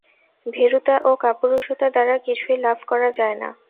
ভীরুতা ও কাপুরুষতা দ্বারা কিছুই লাভ করা যায় না।